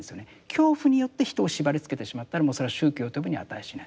恐怖によって人を縛りつけてしまったらもうそれは宗教と呼ぶに値しない。